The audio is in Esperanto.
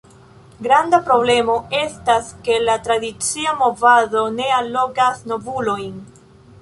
Granda problemo estas ke la tradicia movado ne allogas novulojn.